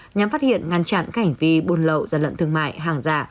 nhằm phát hiện ngăn chặn cảnh vi buôn lậu giả lận thương mại hàng giả